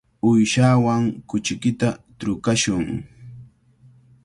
Uyshaawan kuchiykita trukashun.